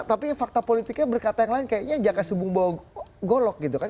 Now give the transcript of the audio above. tapi fakta politiknya berkata yang lain kayaknya jaka subung bawa golok gitu kan